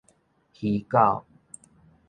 魚狗